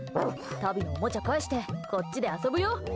タビにおもちゃ返してこっちで遊ぶよ。